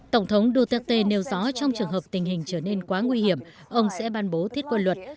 tổng thống duterte nêu rõ trong trường hợp tình hình trở nên quá nguy hiểm ông sẽ ban bố thiết quân luật